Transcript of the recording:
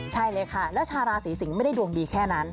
ใช่เลยค่ะแล้วชาวราศีสิงศ์ไม่ได้ดวงดีแค่นั้น